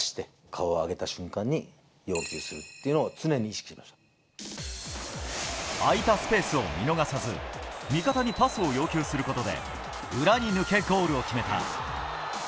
顔を上げた瞬間に要求するってい空いたスペースを見逃さず、味方にパスを要求することで、裏に抜け、ゴールを決めた。